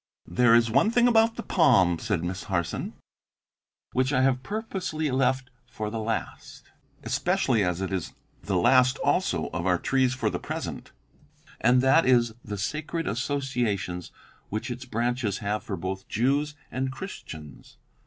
"There is one thing about the palm," said Miss Harson, "which I have purposely left for the last especially as it is the last also of our trees for the present and that is the sacred associations which its branches have for both Jews and Christians.